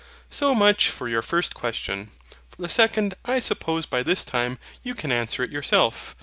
So much for your first question. For the second: I suppose by this time you can answer it yourself.